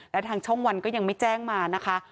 และทางช่องวันก็ยังไม่แจ้งมานะคะ